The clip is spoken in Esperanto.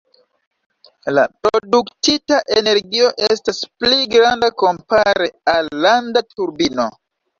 La produktita energio estas pli granda kompare al landa turbino.